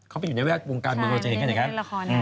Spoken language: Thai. เขาไปอยู่ในแวดวงการเบื้องตัวเองใช่ไหมครับ